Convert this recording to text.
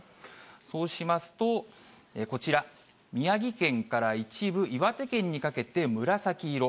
そうしますと、こちら、宮城県から一部、岩手県にかけて紫色。